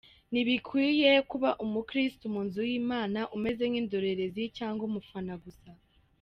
Ntibikwiye ko uba umukristo mu nzu y’Imana umeze nk’indorerezi cyangwa umufana gusa.